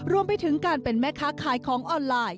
รวมไปถึงการเป็นแม่ค้าขายของออนไลน์